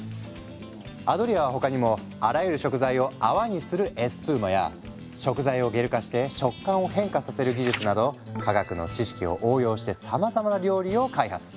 アドリアは他にもあらゆる食材を泡にするエスプーマや食材をゲル化して食感を変化させる技術など科学の知識を応用してさまざまな料理を開発。